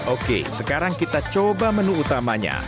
oke sekarang kita coba menu utamanya